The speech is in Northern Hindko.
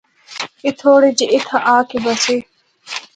اے تھوڑے جے اِتھا آ کے بسے۔